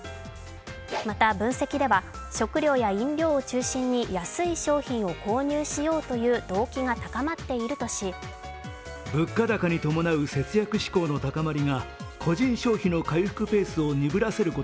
また、分析では食料や飲料を中心に安い商品を購入しようという動機が高まっているとしこう指摘しています。